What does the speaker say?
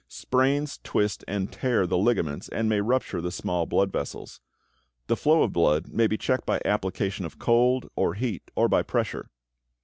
Sprains twist and tear the ligaments and may rupture the small blood vessels. The flow of blood may be checked by application of cold or heat or by pressure.